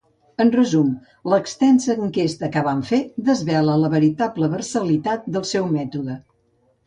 En resum, l'extensa enquesta que vam fer desvela la veritable versatilitat del seu mètode.